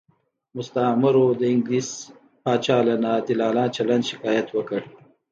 مستعمرو د انګلیس پاچا له ناعادلانه چلند شکایت وکړ.